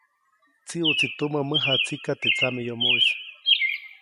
Tsiʼuʼtsi tumä mäjatsika teʼ tsameyomoʼis.